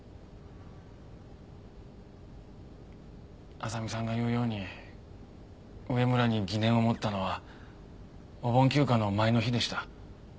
浅見さんが言うように上村に疑念を持ったのはお盆休暇の前の日でした。